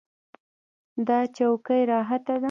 دا چوکۍ راحته ده.